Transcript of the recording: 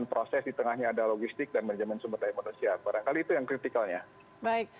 proses di tengahnya ada logistik dan manajemen sumber daya manusia barangkali itu yang kritikalnya baik